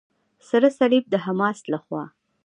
سره صلیب د حماس لخوا.